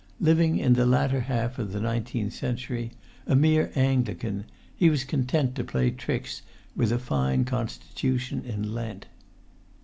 Living in the latter half of the nineteenth century, a mere Anglican, he was content to play tricks with a fine constitution in Lent.